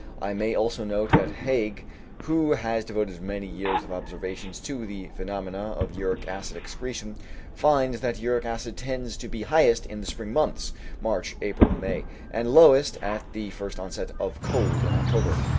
I may also note that Haig, who has devoted many years of observations to the phenomena of uric acid excretion, finds that uric acid tends to be highest in the spring months, (March, April, May) and lowest at the first onset of cold in October.